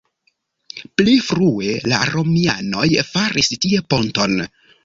Pli frue la romianoj faris tie ponton.